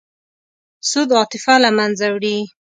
سود عاطفه له منځه وړي.